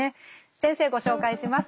先生ご紹介します。